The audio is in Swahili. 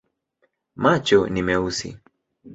Macho ni meusi.